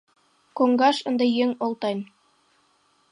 Коҥгаш ынде еҥ олтен.